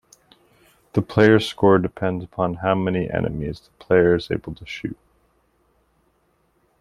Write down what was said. The player's score depends upon how many enemies the player is able to shoot.